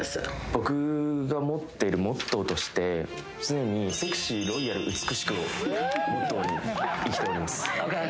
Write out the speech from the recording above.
僕が持っているモットーとして常にセクシーロイヤル美しくをモットーに生きております